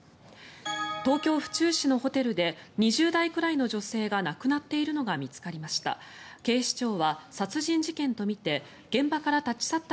東京・府中市のホテルで２０代くらいの女性が亡くなっているのが見つかりました。